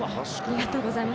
ありがとうございます。